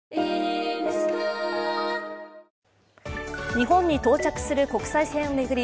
日本に到着する国際線を巡り